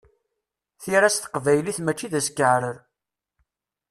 Tira s teqbaylit, mačči d askeɛrer.